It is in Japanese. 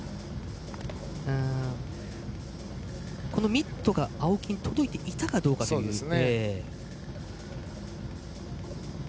ミットが青木に届いていたかどうかですね。